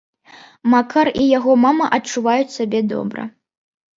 Макар і яго мама адчуваюць сябе добра.